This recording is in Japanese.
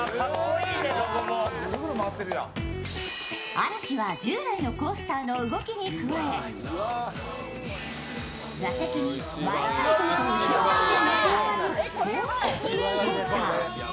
嵐は従来のコースターの動きに加え座席に前回転と後ろ回転が加わる４Ｄスピンコースター。